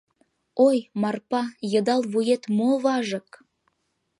Ой, Марпа, йыдал вует мо важык?